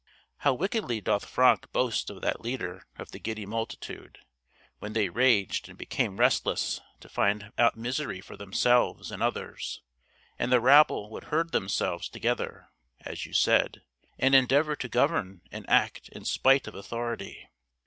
How wickedly doth Franck boast of that leader of the giddy multitude, 'when they raged, and became restless to find out misery for themselves and others, and the rabble would herd themselves together,' as you said, 'and endeavour to govern and act in spite of authority.'